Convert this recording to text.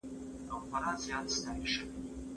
دغه انقلابونه پر ټولنو اغیز کوي.